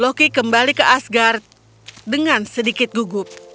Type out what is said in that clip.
loki kembali ke asgard dengan sedikit gugup